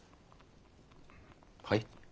はい？